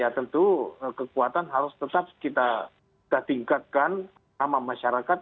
ya tentu kekuatan harus tetap kita tingkatkan sama masyarakat